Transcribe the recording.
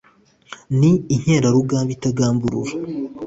ni inkerarugamba itagamburura.